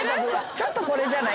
ちょっとこれじゃない？